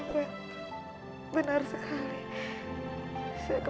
mama kenapa nelfon ya